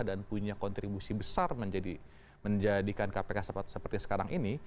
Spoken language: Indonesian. punya kontribusi besar menjadikan kpk seperti sekarang ini